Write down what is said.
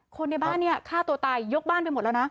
คนในบ้านเนี่ยฆ่าตัวตายยกบ้านไปหมดแล้วนะ